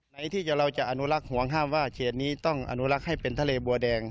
ไหนที่เราจะอนุรักษ์ห่วงห้ามว่าเขตนี้ต้องอนุรักษ์ให้เป็นทะเลบัวแดง